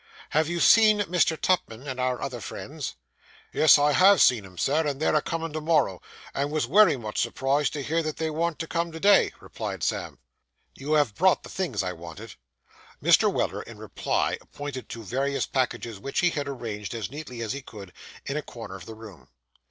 'Have you seen Mr. Tupman and our other friends?' 'Yes, I _have _seen 'em, sir, and they're a comin' to morrow, and wos wery much surprised to hear they warn't to come to day,' replied Sam. 'You have brought the things I wanted?' Mr. Weller in reply pointed to various packages which he had arranged, as neatly as he could, in a corner of the room.